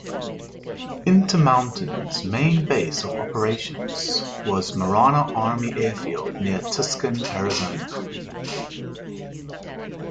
Intermountain's main base of operations was Marana Army Air Field near Tucson, Arizona.